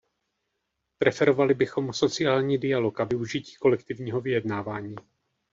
Preferovali bychom sociální dialog a využití kolektivního vyjednávání.